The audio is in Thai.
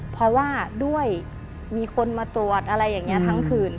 เพราะว่าด้วยมีคนมาตรวจอะไรอย่างนี้ทั้งคืน